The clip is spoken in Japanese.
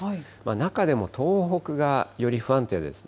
中でも東北が、より不安定ですね。